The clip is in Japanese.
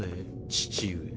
父上。